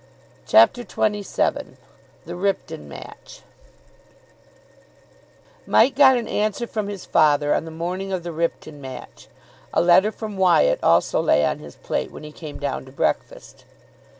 CHAPTER XXVII THE RIPTON MATCH Mike got an answer from his father on the morning of the Ripton match. A letter from Wyatt also lay on his plate when he came down to breakfast.